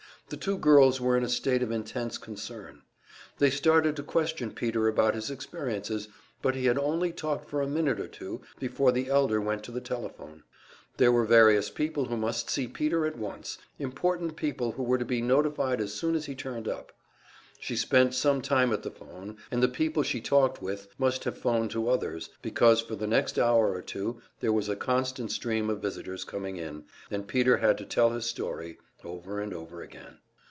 The two girls were in a state of intense concern. They started to question Peter about his experiences, but he had only talked for a minute or two before the elder went to the telephone. There were various people who must see Peter at once, important people who were to be notified as soon as he turned up. She spent some time at the phone, and the people she talked with must have phoned to others, because for the next hour or two there was a constant stream of visitors coming in, and Peter had to tell his story over and over again.